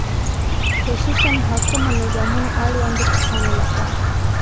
خصوصاً حاکمو نظامونو اړوندو کسانو له خوا